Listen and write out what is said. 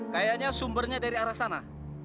kayaknya sumbernya dari arah sana